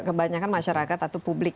kebanyakan masyarakat atau publik